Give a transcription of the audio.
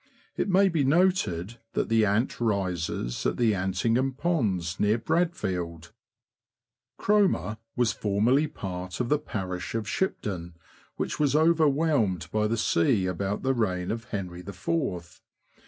It may be noted that the Ant rises at the Antingham Ponds, near Bradfield. Cromer was formerly part of the parish of Shipden, which was overwhelmed by the sea about the reign 188 THE LAND OF THE BROADS. of Henry IV.